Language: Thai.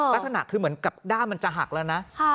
ลักษณะคือเหมือนกับด้ามมันจะหักแล้วนะ